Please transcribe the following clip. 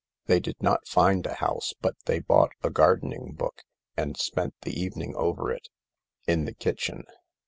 They did not find a house, but they bought a gardening book— and spent the evening over it. In the kitchen.